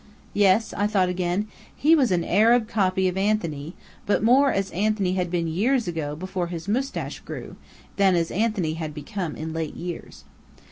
Yes, I thought again, he was an Arab copy of Anthony, but more as Anthony had been years ago before his moustache grew, than as Anthony had become in late years.